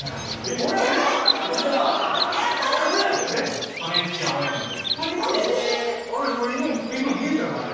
あれ俺今もう今見えたのあれ。